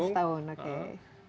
oh setahun oke